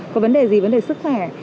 có vấn đề gì vấn đề sức khỏe